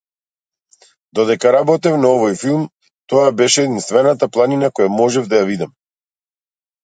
Додека работев на овој филм тоа беше единствената планина која можев да ја видам.